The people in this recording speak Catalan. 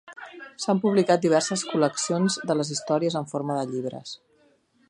S'han publicat diverses col·leccions de les històries en forma de llibres.